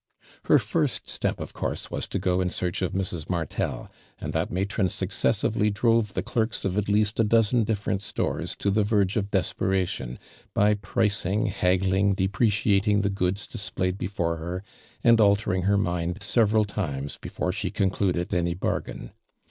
Her first step of course was to go in searoli of Mrs. Martel, and that matron successively drove the clerks of at letista dozen different stores to the verge of desperation, by pricing, liaggling, depreciating the goods displayed before her, and altering her mind several times before she concluded any bargain.